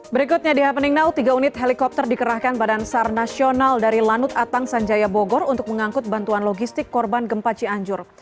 berikutnya di happening now tiga unit helikopter dikerahkan badan sar nasional dari lanut atang sanjaya bogor untuk mengangkut bantuan logistik korban gempa cianjur